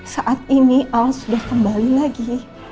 saat ini al sudah kembali lagi